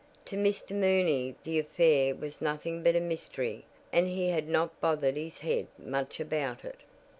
To Mr. Mooney the affair was nothing but a mystery and he had not bothered his head much about it.